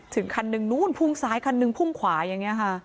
คันหนึ่งนู้นพุ่งซ้ายคันหนึ่งพุ่งขวาอย่างนี้ค่ะ